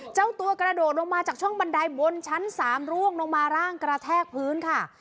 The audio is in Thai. เจ้าตัวกระโดดลงมาจากช่องบันไดบนชั้น๓ร่วงลงมาร่างกระแทกพื้นค่ะ